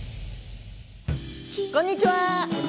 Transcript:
こんにちは。